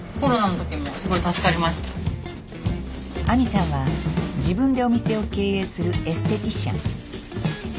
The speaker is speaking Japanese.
亜実さんは自分でお店を経営するエステティシャン。